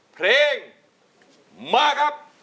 เพลงมาครับ